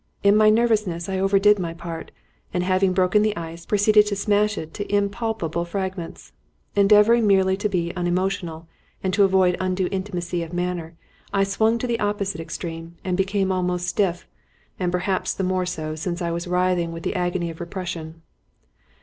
In my nervousness, I overdid my part, and having broken the ice, proceeded to smash it to impalpable fragments. Endeavouring merely to be unemotional and to avoid undue intimacy of manner, I swung to the opposite extreme and became almost stiff; and perhaps the more so since I was writhing with the agony of repression.